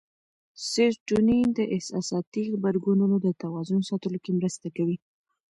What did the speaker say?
سېرټونین د احساساتي غبرګونونو د توازن ساتلو کې مرسته کوي.